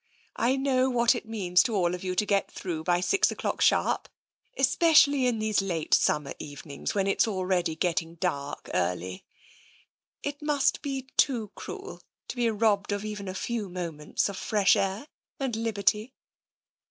I know what it means to all of you to get through by six o'clock sharp, especially in these late summer even ings when it's already getting dark early. It must be too cruel to be robbed of even a few moments of fresh air and liberty."